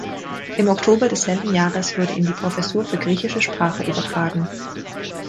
Im Oktober desselben Jahres wurde ihm die Professur für griechische Sprache übertragen.